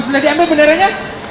sudah diambil benderanya